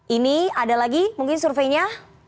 ini ada lagi mungkin surveinya